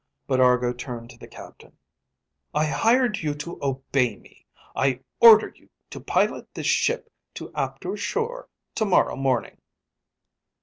_ _But Argo turned to the captain. "I hired you to obey me. I order you to pilot this ship to Aptor's shore tomorrow morning."